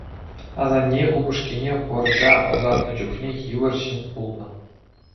Асанне упӑшкине вӑрҫа ӑсатнӑ чухне йывӑр ҫын пулнӑ.